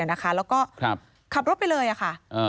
แล้วก็ขับรถไปเลยค่ะ